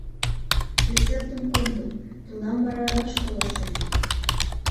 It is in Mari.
— Рецептым кондо, тунам вара раш каласем.